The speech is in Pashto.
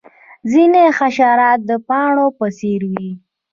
ځینې حشرات د پاڼو په څیر وي